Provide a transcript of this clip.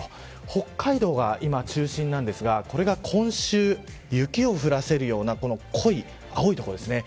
北海道が今、中心なんですがこれが今週、雪を降らせるような濃い青い所ですね。